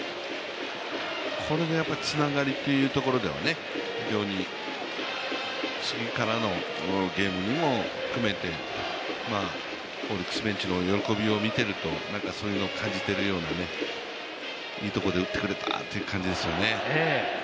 これでつながりというところでは、非常に次からのゲームも含めてオリックスベンチの喜びを見ているとそういうのを感じているようないいところで打ってくれたという感じですよね。